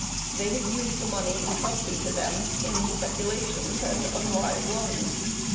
They had used the money entrusted to them in speculations and unwise loans.